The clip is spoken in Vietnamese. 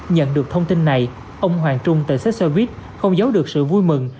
nhận được thông tin này ông hoàng trung tại xếp service không giấu được sự vui mừng